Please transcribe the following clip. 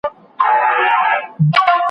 سپینې وازګې په عادي حرکاتو کې کار کوي.